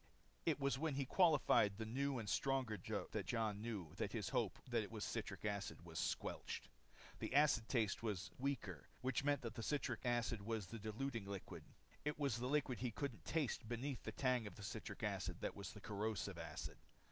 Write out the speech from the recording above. It was when he quaffed the new and stronger draught that Jon knew that his hope that it was citric acid was squelched. The acid taste was weaker which meant that the citric acid was the diluting liquid. It was the liquid he couldn't taste beneath the tang of the citric acid that was the corrosive acid.